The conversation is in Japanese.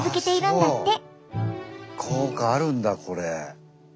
効果あるんだこれ。